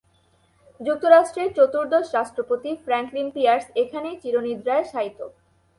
যুক্তরাষ্ট্রের চতুর্দশ রাষ্ট্রপতি ফ্র্যাঙ্কলিন পিয়ার্স এখানেই চিরনিদ্রায় শায়িত।